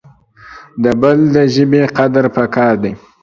د بل دژبي قدر پکار د